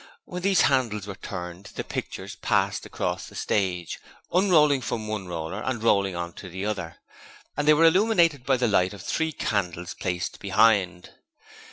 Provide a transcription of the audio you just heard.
When these handles were turned the pictures passed across the stage, unrolling from one roller and rolling on to the other, and were illuminated by the light of three candles placed behind.